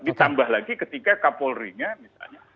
ditambah lagi ketika kapolri nya misalnya